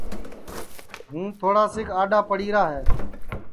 ہوں تھوڑاس اڈؔا پڑی را ہے